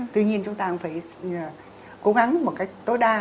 tuy nhiên chúng ta cũng phải cố gắng một cách tối đa